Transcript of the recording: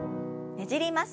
ねじります。